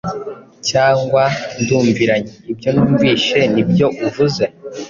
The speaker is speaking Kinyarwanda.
Cyangwa ndumviranye! Ibyo numvise ni byo uvuze,